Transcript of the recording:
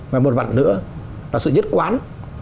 và một mặt nữa là sự nhất quán